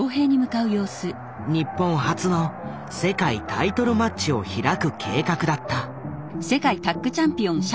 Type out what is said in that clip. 日本初の世界タイトルマッチを開く計画だった。